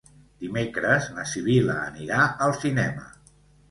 Dimecres na Sibil·la anirà al cinema.